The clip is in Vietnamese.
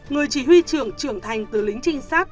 người chỉ huy trưởng trưởng thành từ lính trinh sát